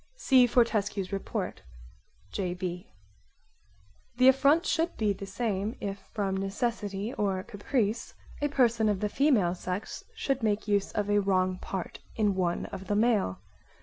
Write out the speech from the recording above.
(See Fort. Rep. qua supra. J.B. [i.e., 187b, in "Notes." Ed.]) The affront should be the same if from necessity or caprice a person of the female sex should make use of a wrong part in one of the male.